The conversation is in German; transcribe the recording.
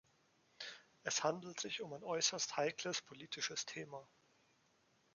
Es handelt sich um ein äußerst heikles politisches Thema.